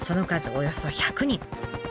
およそ１００人。